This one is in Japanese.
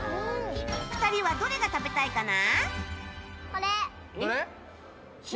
２人はどれが食べたいかな？